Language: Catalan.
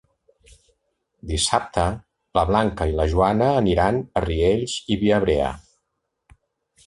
Dissabte na Blanca i na Joana aniran a Riells i Viabrea.